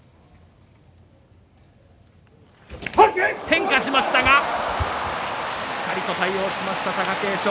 変化しましたがしっかりと対応しました貴景勝。